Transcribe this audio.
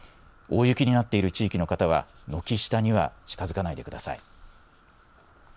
大雪になっている地域の方は、軒下には近づかないでください。